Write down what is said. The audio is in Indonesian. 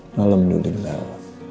malam dulu tinggal